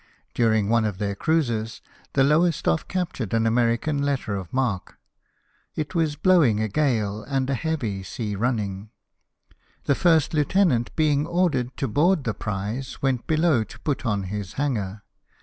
During one of their cruises the Lowestoffe captured an American letter of marque : it was blowing a gale, and a heavy sea running. The first lieutenant being ordered to board the prize, went below to put on his hanger.